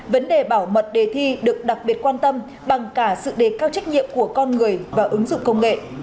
vấn đề bảo mật đề thi được đặc biệt quan tâm bằng cả sự đề cao trách nhiệm của con người và ứng dụng công nghệ